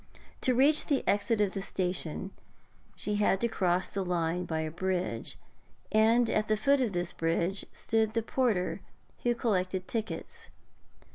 To reach the exit of the station she had to cross the line by a bridge, and at the foot of this bridge stood the porter who collected tickets.